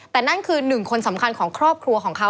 แต่นั่นคือหนึ่งคนสำคัญของครอบครัวของเขา